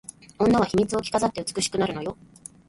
女は秘密を着飾って美しくなるのよ